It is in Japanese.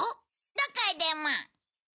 どこへでも。